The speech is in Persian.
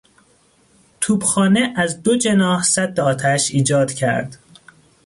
توپخانه از دو جناح سد آتش ایجاد کرد.